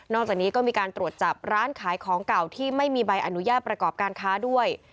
จากนี้ก็มีการตรวจจับร้านขายของเก่าที่ไม่มีใบอนุญาตประกอบการค้าด้วย